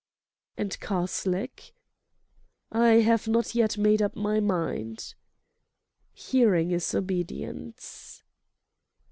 "And Karslake?" "I have not yet made up my mind." "Hearing is obedience."